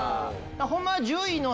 ホンマは。